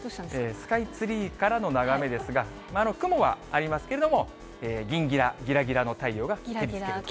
スカイツリーからの眺めですが、雲はありますけれども、ぎんぎらぎらぎらの太陽が照りつけています。